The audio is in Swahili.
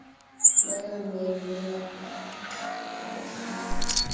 Bwana Umeinuliwa aaah, katika kiti chako cha enzi